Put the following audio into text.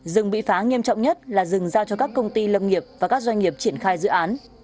rừng bị phá nghiêm trọng nhất là rừng giao cho các công ty lâm nghiệp và các doanh nghiệp triển khai dự án